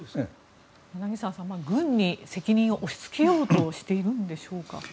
柳澤さん軍に責任を押しつけようとしているんでしょうか？